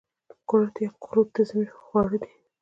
کورت یا قروت د ژمي خواړه دي.